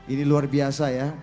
ini luar biasa ya